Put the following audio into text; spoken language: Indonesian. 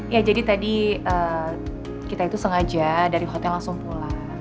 ya jadi tadi kita itu sengaja dari hotel langsung pulang